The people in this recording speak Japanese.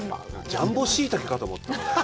ジャンボシイタケかと思った。